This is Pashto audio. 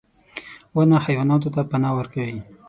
• ونه حیواناتو ته پناه ورکوي.